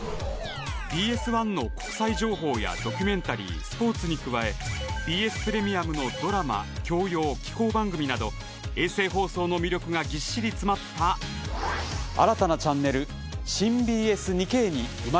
ＢＳ１の国際情報やドキュメンタリースポーツに加えＢＳプレミアムのドラマ教養紀行番組など衛星放送の魅力がぎっしり詰まった新たなチャンネル新ＢＳ２Ｋに生まれ変わります！